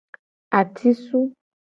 Atisu.